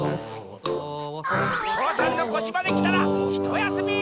父山のこしまできたらひとやすみ！